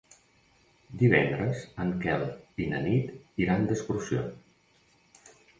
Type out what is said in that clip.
Divendres en Quel i na Nit iran d'excursió.